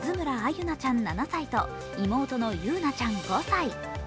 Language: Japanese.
裕奈ちゃん７歳と妹の友裕奈ちゃん５歳。